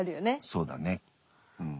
そうだねうん。